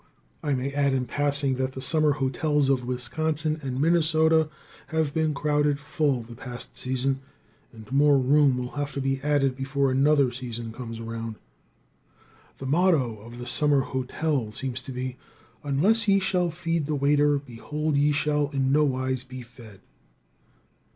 I may add in passing that the summer hotels of Wisconsin and Minnesota have been crowded full the past season and more room will have to be added before another season comes around. The motto of the summer hotel seems to be, "Unless ye shall have feed the waiter, behold ye shall in no wise be fed."